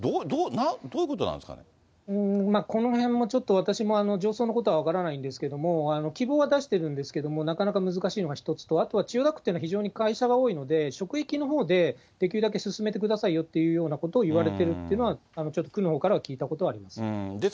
どう、何、このへんもちょっと私も上層のことは分からないんですけれども、希望は出しているんですけど、なかなか難しいのが一つと、あとは千代田区というのは非常に会社が多いので、職域のほうでできるだけ進めてくださいよということを言われているというのは、ちょっと区のほうからは聞いたことあります。